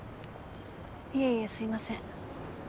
いえいえすいません。